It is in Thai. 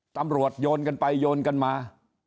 ตำรวจโยนกันไปโยนกันมา